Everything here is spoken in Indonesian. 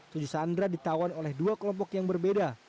tujuh sandra ditawan oleh dua kelompok yang berbeda